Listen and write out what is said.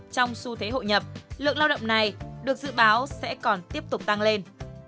trong xu thế hội nhập lượng lao động này được dự báo sẽ còn tiếp tục tăng lên